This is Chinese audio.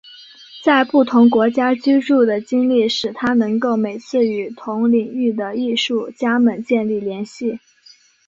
在不同国家居住的经历使他能够每次与同领域的艺术家们建立联系。